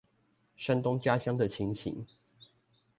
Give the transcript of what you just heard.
山東家鄉的情形